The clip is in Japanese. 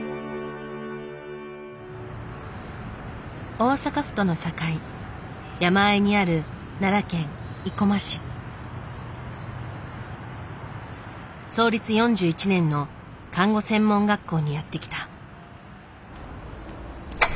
大阪府との境山あいにある創立４１年の看護専門学校にやって来た。